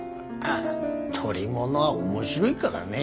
捕り物は面白いからねえ。